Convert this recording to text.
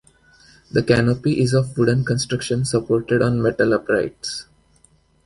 The canopy is of wooden construction supported on metal uprights.